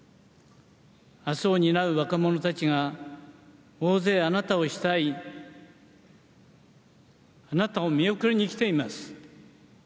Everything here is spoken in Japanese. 明日を担う若者たちが大勢あなたを慕いあなたを見送りにきています。